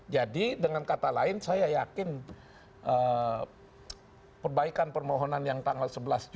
jadi dengan kata lain saya yakin perbaikan permohonan yang tanggal sebelas